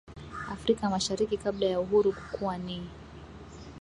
Afrika mashariki kabla ya Uhuru Kukua Ni